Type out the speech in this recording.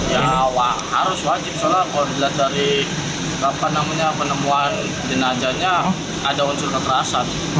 ya harus wajib soalnya kalau dilihat dari penemuan jenazahnya ada unsur kekerasan